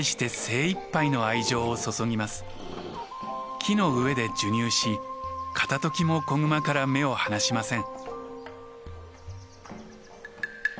木の上で授乳し片ときも子グマから目を離しません。